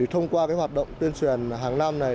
thông qua hoạt động tuyên truyền hàng năm này